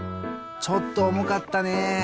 ちょっとおもかったね。